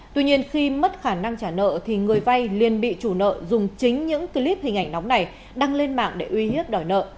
tuy nhiên khi mất khả năng trả nợ thì người vay liên bị chủ nợ dùng chính những clip hình ảnh nóng này đăng lên mạng để uy hiếp đòi nợ